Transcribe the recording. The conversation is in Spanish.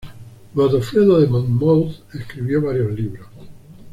Godofredo de Monmouth escribió varios libros.